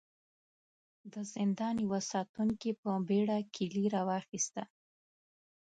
د زندان يوه ساتونکي په بېړه کيلې را وايسته.